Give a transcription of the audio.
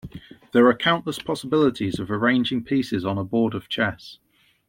There are countless possibilities of arranging pieces on a board of chess.